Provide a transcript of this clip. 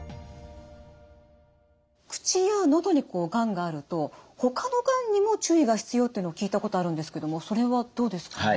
口や喉にこうがんがあるとほかのがんにも注意が必要っていうのを聞いたことあるんですけどもそれはどうですか？